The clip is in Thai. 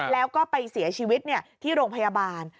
แล้วก็ไปเสียชีวิตที่โรงพยาบาล